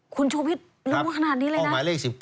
คุณโชวิดรู้ขนาดนี้เลยนะครับห้องหมายเลข๑๙